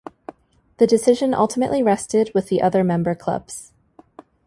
The decision ultimately rested with the other member clubs.